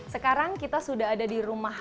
sekarang kita sudah ada di rumah